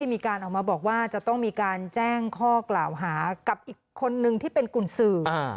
มีการออกมาบอกว่าจะต้องมีการแจ้งข้อกล่าวหากับอีกคนนึงที่เป็นกุญสือ